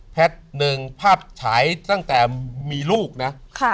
หนึ่งภาพฉายตั้งแต่มีลูกนะ